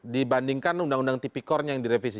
dibandingkan undang undang tipikor yang direvisi